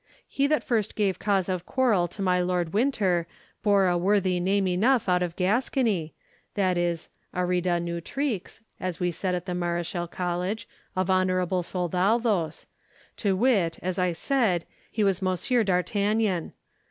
He that first gave cause of quarrel to my Lord Winter bore a worthy name enough out of Gascony, that is arida nutrix, as we said at the Mareschal College, of honourable soldados—to wit, as I said, he was Monsieur d'Artagnan.